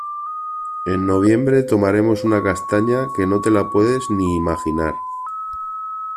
En noviembre tomaremos una castaña que no te la puedes ni imaginar.